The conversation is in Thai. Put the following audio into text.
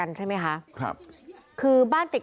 พุ่งเข้ามาแล้วกับแม่แค่สองคน